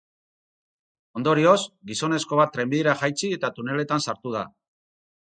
Ondorioz, gizonezko bat trenbidera jaitsi eta tuneletan sartu da.